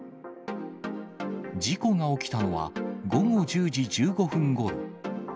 事故が起きたのは、午後１０時１５分ごろ。